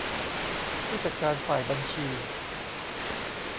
ผู้จัดการฝ่ายบัญชี